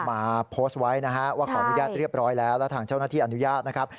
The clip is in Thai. มาโพสต์ไว้นะฮะว่าขออนุญาตเรียบร้อยแล้วแล้วทางเจ้าหน้าที่อนุญาตนะครับ